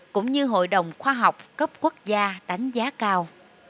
cũng như hội đồng khoa học cấp quốc gia đánh giá cao